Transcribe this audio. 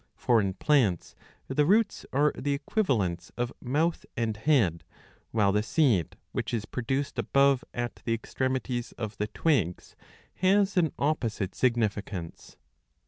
^^ For in plants the roots are the equivalents of mouth and head, while the seed, which is pro duced above at the extremities of the twigs, has an opposite significance.'